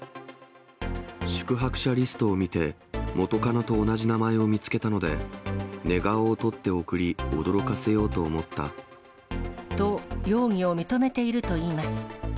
宿泊者リストを見て、元カノと同じ名前を見つけたので、寝顔を撮って送り、驚かせようとと、容疑を認めているといいます。